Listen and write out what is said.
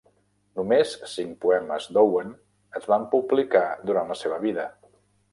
Només cinc poemes d'Owen es van publicar durant la seva vida.